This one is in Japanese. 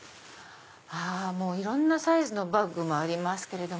いろんなサイズのバッグもありますけれども。